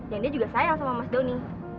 dan dia juga sayang sama mas doni